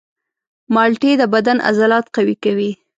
مالټې د بدن عضلات قوي کوي.